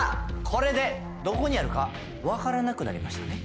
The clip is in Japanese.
これでどこにあるかわからなくなりましたね